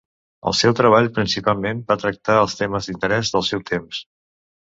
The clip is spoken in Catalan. El seu treball principalment va tractar els temes d'interès del seu temps.